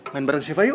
main bareng syifa yuk